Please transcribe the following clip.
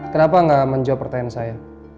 kenapa nggak menjawab pertanyaan saya